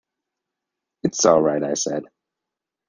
"It's all right," I said.